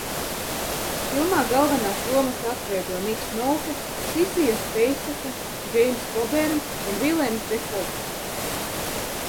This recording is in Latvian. Filmā galvenās lomas atveido Niks Nolte, Sisija Speiseka, Džeimss Kobērns un Vilems Defo.